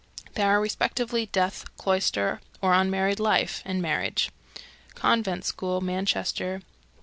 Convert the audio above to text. They are respectively death, cloister or unmarried life, and marriage. _Convent School, Manchester, N.